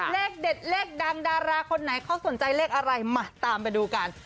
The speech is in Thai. เลขเด็ดเลขดังดาราคนไหนเขาสนใจเลขอะไรมาตามไปดูกัน